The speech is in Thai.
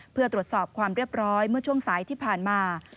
เพื่อตรวจสอบความเรียบร้อยเมื่อช่วงสายที่ผ่านมา